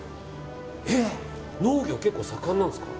農業、結構盛んなんですか。